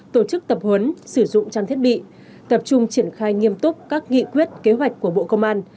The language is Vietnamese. tổ chức tập huấn sử dụng trang thiết bị tập trung triển khai nghiêm túc các nghị quyết kế hoạch của bộ công an